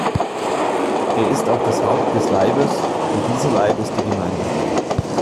Er ist auch das Haupt des Leibes, und dieser Leib ist die Gemeinde.